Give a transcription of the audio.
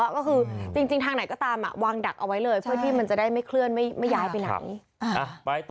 ก็คือจริงทางไหนก็ตามวางดักเอาไว้เลยเพื่อที่มันจะได้ไม่เคลื่อนไม่ย้ายไปไหน